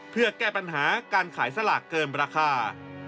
เพื่อแก้ปัญหาการขายสลากเกินราคา